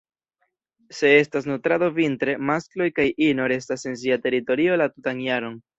Se estas nutrado vintre, maskloj kaj ino restas en sia teritorio la tutan jaron.